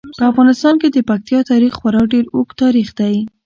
په افغانستان کې د پکتیکا تاریخ خورا ډیر اوږد تاریخ دی.